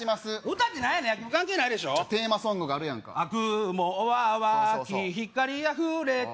歌って何やねん関係ないでしょテーマソングがあるやんか「雲はわき光あふれて」